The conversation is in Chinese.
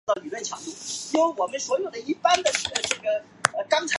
此后琉球国开始逐渐兴盛起来。